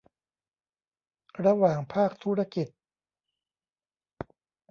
ระหว่างภาคธุรกิจ